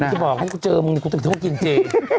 อย่าบอกให้เจอมึงเหมือนของเจ๊